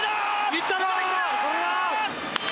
いったな！